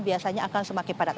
biasanya akan semakin padat